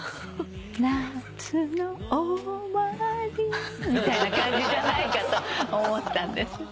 「夏の終わり」みたいな感じじゃないかと思ったんです。